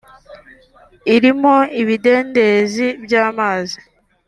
irimo ibidendezi by’amazi